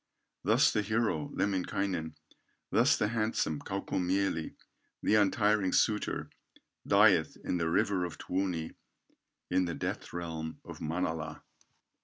Thus the hero, Lemminkainen, Thus the handsome Kaukomieli, The untiring suitor, dieth In the river of Tuoni, In the death realm of Manala.